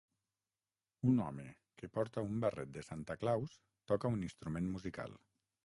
Un home que porta un barret de Santa Claus toca un instrument musical.